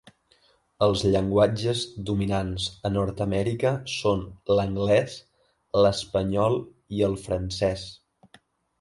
Els llenguatges dominants a Nord-Amèrica són l'anglès, l'espanyol i el francès.